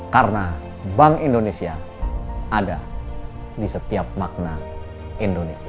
karena bank indonesia ada di setiap makna indonesia